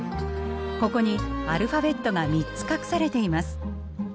ここにアルファベットが３つ隠されています。